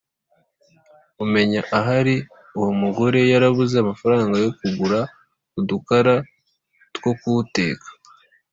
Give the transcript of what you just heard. Umenya ahari uyu mugore yarabuze amafaranga yo kugura udukara two kuwuteka